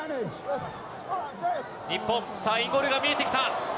日本、さあ、インゴールが見えてきた。